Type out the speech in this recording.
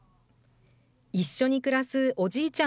一緒に暮らすおじいちゃん